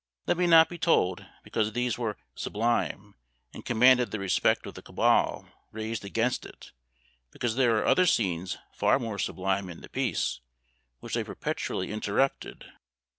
Let me not be told, because these were sublime, and commanded the respect of the cabal raised against it; because there are other scenes far more sublime in the piece, which they perpetually interrupted.